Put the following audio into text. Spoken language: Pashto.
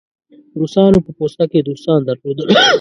روسانو په پوسته کې دوستان درلودل.